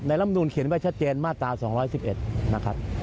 รำนูนเขียนไว้ชัดเจนมาตรา๒๑๑นะครับ